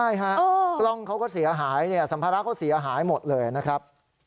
ใช่ค่ะปลงเขาก็เสียหายสัมภาษณ์เขาก็เสียหายหมดเลยนะครับ